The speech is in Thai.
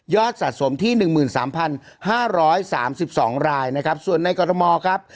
ยอดสะสมที่๑๓๕๓๒รายส่วนในกรมมอล์ครับ